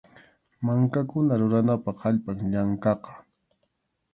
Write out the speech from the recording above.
Mankakuna ruranapaq allpam llankaqa.